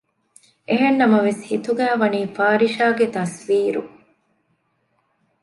އެހެންނަމަވެސް ހިތުގައި ވަނީ ފާރިޝާގެ ތަސްވީރު